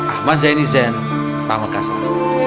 ahmad zaini zain pemekasan